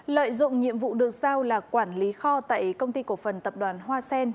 lợi dụng nhiệm vụ được sao là quản lý kho tại công ty cổ phần tập đoàn hoa sen